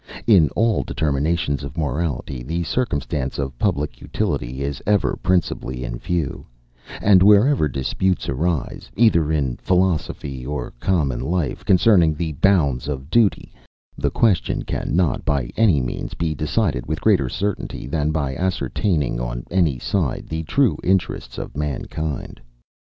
In all determinations of morality, the circumstance of public utility, is ever principally in view; and wherever disputes arise, either in philosophy or common life, concerning the bounds of duty, the question cannot, by any means, be decided with greater certainty, than by ascertaining, on any side, the true interests of mankind.